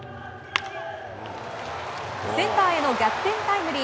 センターへの逆転タイムリー。